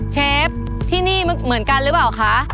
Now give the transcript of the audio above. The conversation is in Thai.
เชฟที่นี่เหมือนกันหรือเปล่าคะ